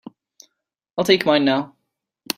I'll take mine now.